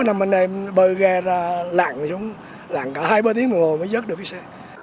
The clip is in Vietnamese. mấy anh em bơi ghe ra lặn chúng lặn cả hai ba tiếng ngồi mới rớt được cái xe